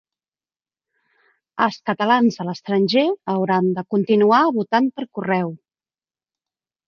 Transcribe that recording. Els catalans a l'estranger hauran de continuar votant per correu